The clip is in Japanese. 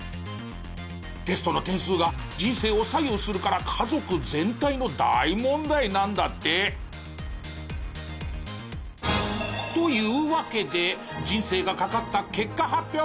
テストの点数が人生を左右するから家族全体の大問題なんだって！というわけで人生がかかった結果発表。